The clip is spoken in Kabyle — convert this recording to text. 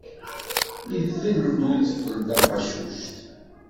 Idel-d udfel taqacuct.